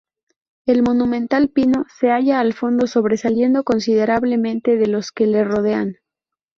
El monumental pino se halla al fondo, sobresaliendo considerablemente de los que le rodean.